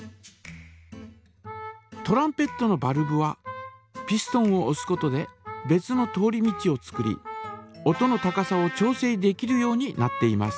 トランペットのバルブはピストンをおすことで別の通り道を作り音の高さを調整できるようになっています。